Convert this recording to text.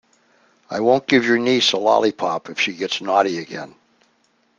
I won't give your niece a lollipop if she gets naughty again.